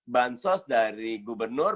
bansos dari gubernur